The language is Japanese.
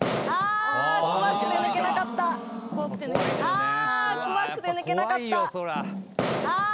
ああああ怖くて抜けなかったああ